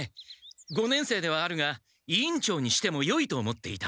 五年生ではあるが委員長にしてもよいと思っていた。